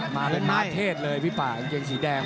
มาเลยมาเทศเลยพี่ป่าเกงสีแดง